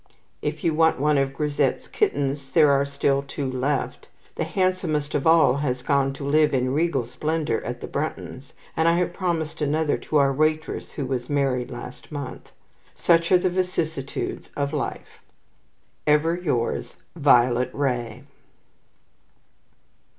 If you want one of Grisette's kittens, there are still two left. The handsomest of all has gone to live in regal splendour at the Bruntons, and I have promised another to our waitress who was married last month. Such are the vicissitudes of life. Ever yours, VIOLET WRAY.